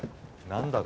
何だ